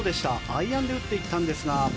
アイアンで打っていったんですが。